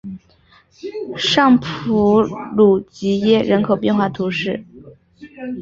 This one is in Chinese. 尚普鲁吉耶人口变化图示